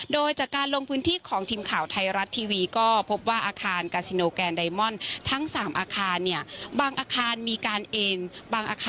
โดยจากการลงพื้นที่ของทีมข่าวไทยรัฐทีวีก็พบว่าอาคารกาซิโนแกนไดมอนด์ทั้ง๓อาคารเนี่ยบางอาคารมีการเอ็นบางอาคาร